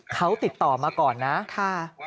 เขาติดต่อมาก่อนนะค่ะ